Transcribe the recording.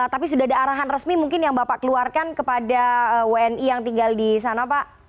tapi sudah ada arahan resmi mungkin yang bapak keluarkan kepada wni yang tinggal di sana pak